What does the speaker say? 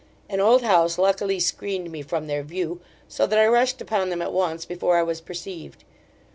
An old house luckily screened me from their view; so that I rushed upon them at once, before I was perceived.